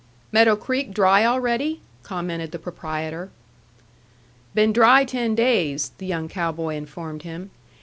"Meadow Creek dry already?" commented the proprietor. "Been dry ten days," the young cow boy informed him.